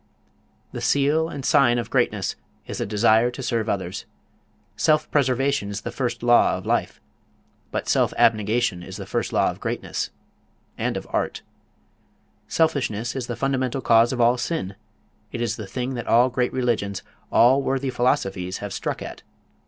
The seal and sign of greatness is a desire to serve others. Self preservation is the first law of life, but self abnegation is the first law of greatness and of art. Selfishness is the fundamental cause of all sin, it is the thing that all great religions, all worthy philosophies, have struck at.